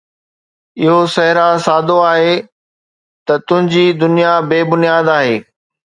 اهو صحرا سادو آهي، ته تنهنجي دنيا بي بنياد آهي